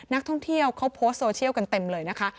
นักท่องเที่ยวเขาโพสต์โซเชียลกันเต็มเลยนะคะ